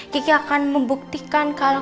kiki akan membuktikan kalau